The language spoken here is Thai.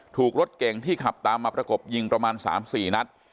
รถเก่งที่ขับตามมาประกบยิงประมาณ๓๔นัด